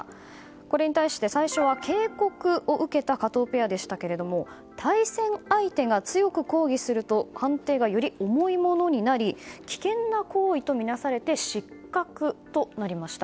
これに対し、最初は警告を受けた加藤ペアでしたけれども対戦相手が強く抗議すると判定がより重いものになり危険な行為とみなされて失格となりました。